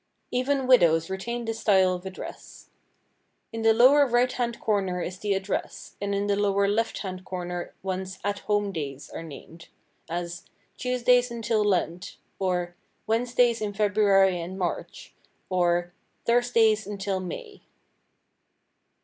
Even widows retain this style of address. In the lower right hand corner is the address, and in the lower left hand corner one's "at home" days are named, as "Tuesdays until Lent," or "Wednesdays in February and March," or "Thursdays until May."